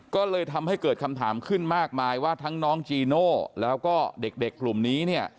ก็เลยทำให้เกิดคำถามขึ้นมากมายว่าทั้งน้องจีโน่แล้วก็เด็กกลุ่มนี้เนี่ย